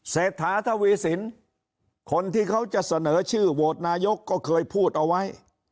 เศรษฐาทวีสินคนที่เขาจะเสนอชื่อโหวตนายกก็เคยพูดเอาไว้